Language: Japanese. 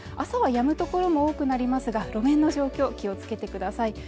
朝はやむ所も多くなりますが路面の状況気をつけてください